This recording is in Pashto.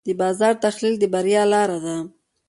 د بازار تحلیل د بریا لاره ده.